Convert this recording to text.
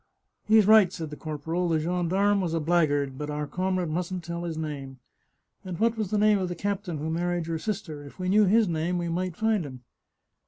" He's right," said the corporal. " The gendarme was a blackguard, but our comrade mustn't tell his name. And what was the name of the captain who married your sister? If we knew his name we might find him."